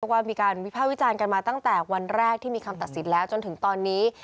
ว่ามีการวิภาควิจารณ์กันมาตั้งแต่วันแรกที่มีคำตัดสินแล้วจนถึงตอนนี้